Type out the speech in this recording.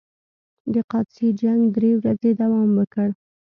د قادسیې جنګ درې ورځې دوام وکړ.